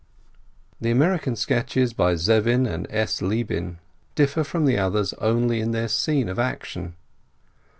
The American sketches by Zevin and S. Libin differ from the others only in their scene of action.